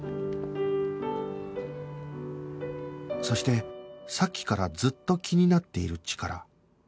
そしてさっきからずっと気になっているチカラ